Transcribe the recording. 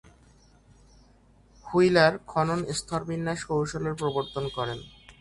Wheeler খনন স্তরবিন্যাস কৌশলের প্রবর্তন করেন।